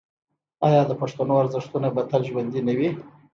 آیا د پښتنو ارزښتونه به تل ژوندي نه وي؟